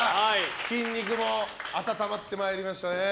筋肉も温まってまいりましたね。